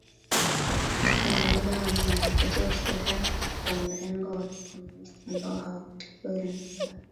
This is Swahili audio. Ni mmoja wa wanaharakati wa siasa za mrengo wa Kikomunisti ambao hawakutakiwa Zanzibar